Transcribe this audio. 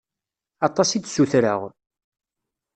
Aṭas i d-ssutreɣ?